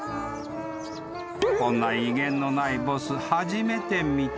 ［こんな威厳のないボス初めて見た］